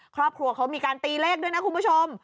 ครอบครัวเขามีการตีเลขด้วยนะคุณผู้ชม